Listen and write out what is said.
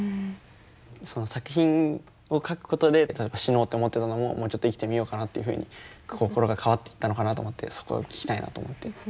その作品を描くことで例えば死のうと思ってたのももうちょっと生きてみようかなっていうふうに心が変わっていったのかなと思ってそこを聞きたいなと思って。